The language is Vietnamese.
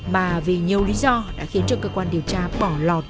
mà vì nhiều lý do đã khiến cho cơ quan điều tra bỏ lọt